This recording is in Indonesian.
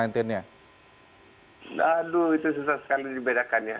aduh itu susah sekali dibedakan ya